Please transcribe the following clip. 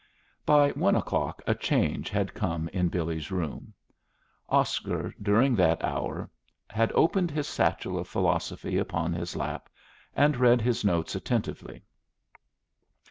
By one o'clock a change had come in Billy's room. Oscar during that hour had opened his satchel of philosophy upon his lap and read his notes attentively.